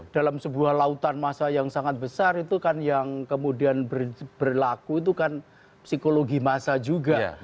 dalam sebuah lautan masa yang sangat besar itu kan yang kemudian berlaku itu kan psikologi masa juga